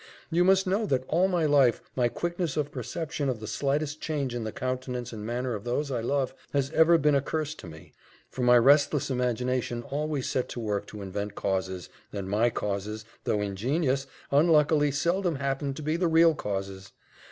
You must know, that all my life, my quickness of perception of the slightest change in the countenance and manner of those I love, has ever been a curse to me; for my restless imagination always set to work to invent causes and my causes, though ingenious, unluckily, seldom happened to be the real causes.